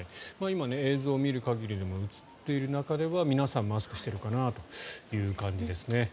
今、映像を見る限りでも映っている中では皆さん、マスクをしているかなという感じですね。